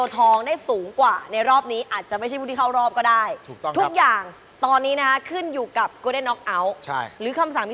แต่ว่าใครที่ได้กิโลทองยิ่งสูงเท่าไร